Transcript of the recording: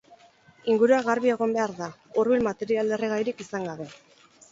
Ingurua garbi egon behar da, hurbil material erregairik izan gabe.